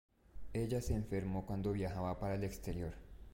Ella se enfermó cuando viajaba para el exterior.